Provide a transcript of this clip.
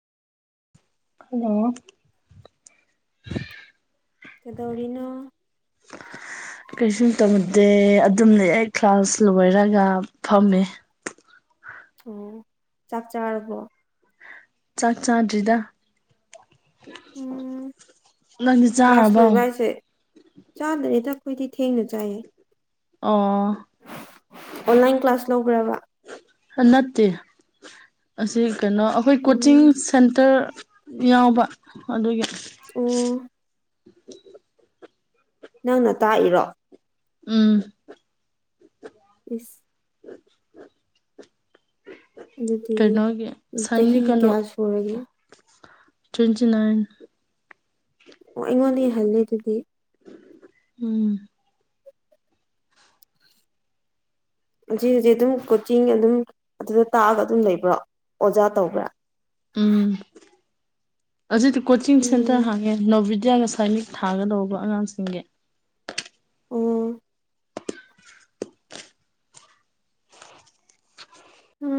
Hello. ꯀꯩꯗꯧꯔꯤꯅꯣ꯫ [inaudible] ꯀꯩꯁꯨꯨꯝ ꯇꯧꯗꯦ ꯑꯗꯨꯝ ꯂꯩ ꯑꯩ ꯀ꯭ꯂꯥꯁ ꯂꯣꯏꯔꯒ ꯐꯝꯃꯤ꯫ ꯑꯣ ꯆꯥꯛ ꯆꯥꯔꯕꯣ꯫ ꯆꯥꯛ ꯆꯥꯗ꯭ꯔꯤꯗ ꯎꯝ ꯅꯪꯗꯤ ꯀ꯭ꯂꯥꯁ ꯆꯥꯔꯕꯣ꯫ ꯂꯣꯏꯕ ꯍꯥꯏꯁꯦ ꯆꯥꯗꯔꯤꯗ ꯑꯩꯈꯣꯏꯗꯤ ꯊꯦꯡꯅ ꯆꯥꯏꯌꯦ꯫ ꯑꯣ꯫ ꯑꯣꯟꯂꯥꯏꯟ ꯀ꯭ꯂꯥꯁ ꯂꯧꯕꯔꯕ꯫ ꯅꯠꯇꯦ ꯑꯁꯤ ꯀꯩꯅꯣ ꯑꯩꯈꯣꯏ ꯀꯣꯆꯤꯡ ꯎꯝ ꯁꯦꯟꯇꯔ ꯌꯥꯎꯕ ꯑꯗꯨꯒꯤ꯫ ꯑꯣ꯫ ꯅꯪꯅ ꯇꯥꯛꯏꯔꯣ꯫ ꯎꯝ꯫ ꯏꯁ꯫ [inaudible] ꯑꯗꯨꯗꯤ ꯀꯩꯅꯣꯒꯤ ꯁꯅꯤ ꯆꯍꯤ ꯀꯩꯅꯣ꯫ ꯀꯌꯥ ꯁꯨꯔꯒꯦ ꯇ꯭ꯋꯦꯟꯇꯤ ꯅꯥꯏꯟ ꯑꯣ ꯑꯩꯉꯣꯟꯗꯩ ꯍꯜꯂꯦ ꯑꯗꯨꯗꯤ꯫ ꯎꯝ ꯍꯧꯖꯤꯛ ꯍꯧꯖꯤꯛ ꯑꯗꯨꯝ ꯀꯣꯆꯤꯡ ꯑꯗꯨꯝ ꯑꯗꯨꯗ ꯇꯥꯛꯑꯒ ꯑꯗꯨꯝ ꯂꯩꯕ꯭ꯔꯣ ꯑꯣꯖꯥ ꯇꯧꯕ꯭ꯔꯥ ꯎꯝ ꯍꯧꯖꯤꯛꯇꯤ ꯀꯣꯆꯤꯡ ꯁꯦꯟꯇꯔ ꯎꯝ ꯍꯥꯡꯉꯦ ꯅꯣꯚꯗ꯭ꯌꯥꯒ ꯁꯥꯏꯅꯤꯛ ꯊꯥꯒꯗꯧꯕ ꯑꯉꯥꯡꯁꯤꯡꯒꯤ ꯑꯣ ꯎꯝ